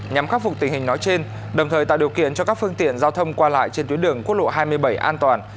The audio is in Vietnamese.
nhằm khắc phục tình hình nói trên đồng thời tạo điều kiện cho các phương tiện giao thông qua lại trên tuyến đường quốc lộ hai mươi bảy an toàn